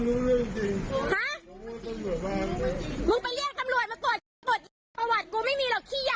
นี่พอไปตอนนี้